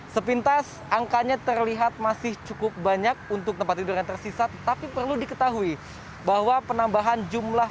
sepintas angkanya terlihat masih cukup banyak untuk tempat tidur yang tersisa tetapi perlu diketahui bahwa penambahan jumlah